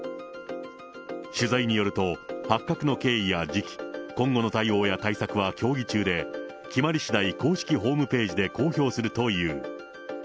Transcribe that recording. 取材によると、発覚の経緯や時期、今後の対応や対策は協議中で、決まりしだい、公式ホームページで公表するという。